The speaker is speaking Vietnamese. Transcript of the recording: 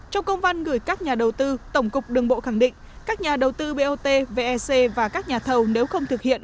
trong công văn gửi các nhà đầu tư tổng cục đường bộ khẳng định các nhà đầu tư bot vec và các nhà thầu nếu không thực hiện